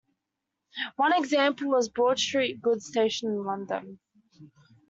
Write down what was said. One example was Broad Street goods station in London.